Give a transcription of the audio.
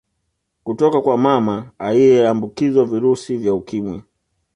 Kutoka kwa mama aliyeambukizwa virusi vya Ukimwi